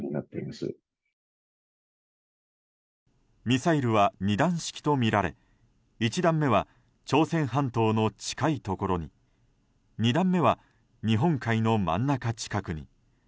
ミサイルは２段式とみられ１段目は朝鮮半島の近いところに２段目は日本海の真ん中近くに。